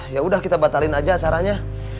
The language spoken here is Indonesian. yaudah kita batalin aja acaranya